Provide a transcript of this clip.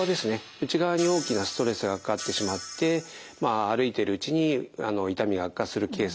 内側に大きなストレスがかかってしまって歩いているうちに痛みが悪化するケースが多く見られます。